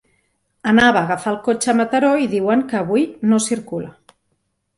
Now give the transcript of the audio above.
Anava a agafar el cotxe a Mataró i diuen que avui no circula.